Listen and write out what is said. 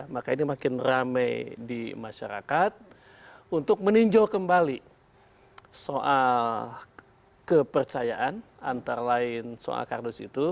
maka ini makin rame di masyarakat untuk meninjau kembali soal kepercayaan antara lain soal kardus itu